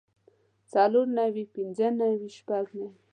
څلور نوي پنځۀ نوي شپږ نوي